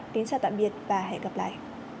xin chào tạm biệt và hẹn gặp lại